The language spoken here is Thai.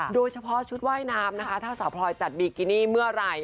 โดยเฉพาะชุดว่ายน้ำนะคะถ้าสาวพลอยจัดบิกินี่เมื่อไหร่